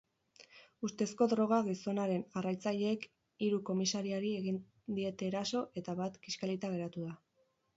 Ustezko droga-gizonaren jarraitzaileek hiru komisariari egin diete eraso eta bat kiskalita geratu da.